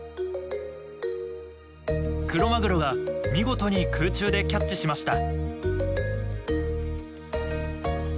クロマグロが見事に空中でキャッチしました。